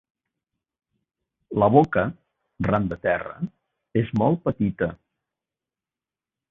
La boca, ran de terra, és molt petita.